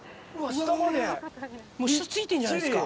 もう下ついてんじゃないですか？